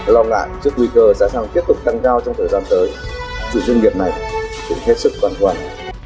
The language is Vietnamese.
lo ngại trước nguy cơ giá xăng tiếp tục tăng cao trong thời gian tới sự doanh nghiệp này vẫn hết sức toàn toàn